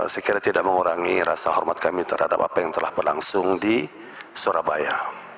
saya kira tidak mengurangi rasa hormat kami terhadap apa yang telah berlangsung di surabaya